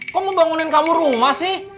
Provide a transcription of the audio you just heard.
kok mau bangunin kamu rumah sih